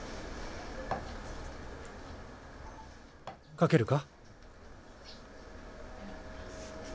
かけるか？